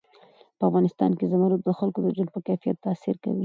په افغانستان کې زمرد د خلکو د ژوند په کیفیت تاثیر کوي.